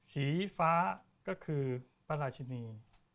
สีฟ้าก็คือพระราชินี